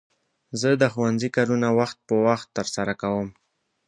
زه د ښوونځي کارونه وخت په وخت ترسره کوم.